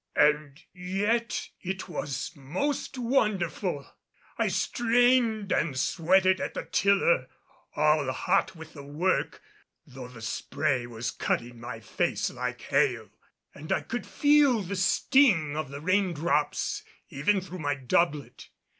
And yet it was most wonderful! I strained and sweated at the tiller, all hot with the work, though the spray was cutting my face like hail and I could feel the sting of the rain drops even through my doublet.